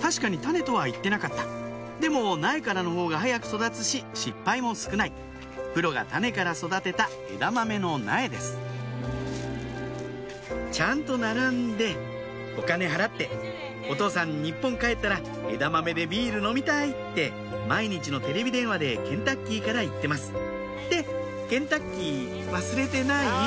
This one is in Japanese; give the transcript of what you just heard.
確かに種とは言ってなかったでも苗からの方が早く育つし失敗も少ないプロが種から育てた枝豆の苗ですちゃんと並んでお金払ってお父さん日本帰ったら枝豆でビール飲みたいって毎日のテレビ電話でケンタッキーから言ってますってケンタッキー忘れてない？